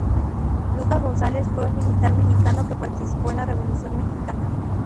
Lucas González fue un militar mexicano que participó en la Revolución mexicana.